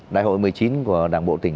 đại hội một mươi chín của đảng bộ tỉnh